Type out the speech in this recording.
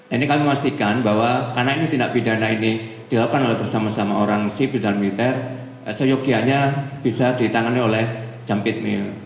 ini kami memastikan bahwa karena tindak pidana ini dilakukan oleh bersama sama orang sibil dan militer seyogianya bisa ditangani oleh jump it mill